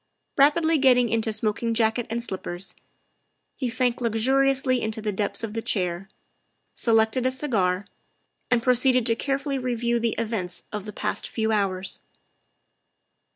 Rapidly getting into smoking jacket and slippers, he sank luxuriously into the depths of the chair, selected a cigar, and proceeded to carefully review the events of the past few hours.